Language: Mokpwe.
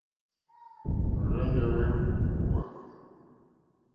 Ò rzênjé wélùwà.